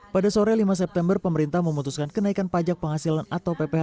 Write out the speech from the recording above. pada sore lima september pemerintah memutuskan kenaikan pajak penghasilan atau pph